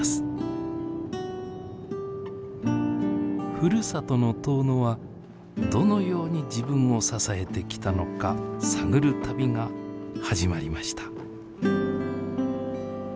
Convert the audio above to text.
ふるさとの遠野はどのように自分を支えてきたのか探る旅が始まりました。